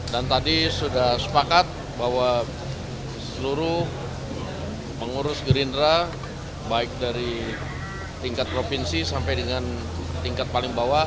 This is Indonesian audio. dan tadi sudah sepakat bahwa seluruh pengurus gerindra baik dari tingkat provinsi sampai dengan tingkat paling bawah